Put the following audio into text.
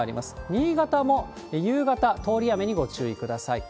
新潟も夕方、通り雨にご注意ください。